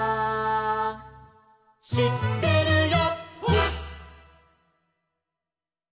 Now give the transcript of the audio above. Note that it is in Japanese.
「しってるよ」